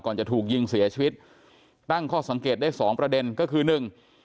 จะถูกยิงเสียชีวิตตั้งข้อสังเกตได้สองประเด็นก็คือหนึ่ง